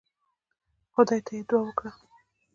خدای ته يې دعا وکړه.